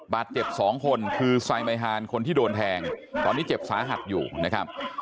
บาดเจ็บ๒คนคือไซไมฮานคนที่โดนแทงตอนนี้เจ็บสาหัสอยู่นะครับ